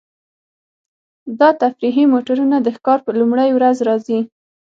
دا تفریحي موټرونه د ښکار په لومړۍ ورځ راځي